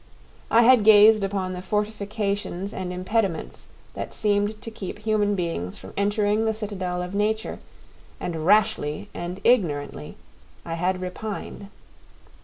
I had gazed upon the fortifications and impediments that seemed to keep human beings from entering the citadel of nature, and rashly and ignorantly I had repined.